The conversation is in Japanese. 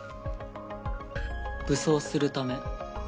武装するため。